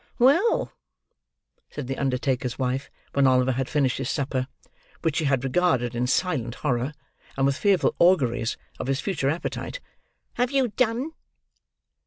"Well," said the undertaker's wife, when Oliver had finished his supper: which she had regarded in silent horror, and with fearful auguries of his future appetite: "have you done?"